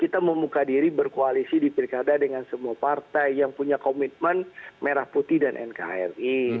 kita membuka diri berkoalisi di pilkada dengan semua partai yang punya komitmen merah putih dan nkri